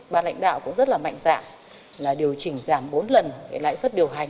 ban lãnh đạo cũng rất là mạnh dạng là điều chỉnh giảm bốn lần lãi suất điều hành